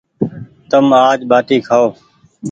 تم آج ٻآٽي کآيو ۔